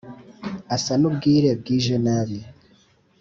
asa n’ubwire bwije nabi